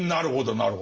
なるほど。